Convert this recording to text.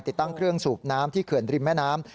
ติดตั้งเครื่องสูบน้ำที่เขื่อนริมแม่น้ำ